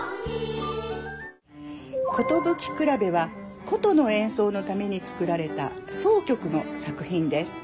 「寿くらべ」は箏の演奏のために作られた箏曲の作品です。